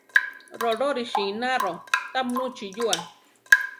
Rolórisi ináro ta muchí yua.